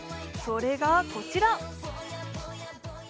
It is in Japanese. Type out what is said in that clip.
それがこちら。